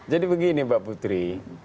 jadi begini mbak putri